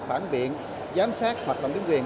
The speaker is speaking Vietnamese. phản biện giám sát hoặc làm chính quyền